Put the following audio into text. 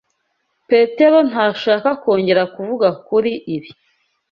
Petero ntashaka kongera kuvuga kuri ibi.